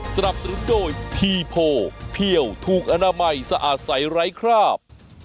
สนับสนุนโดยทีโพเพี่ยวถูกอนามัยสะอาดใสไร้คราบ